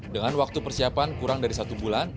dengan waktu persiapan kurang dari satu bulan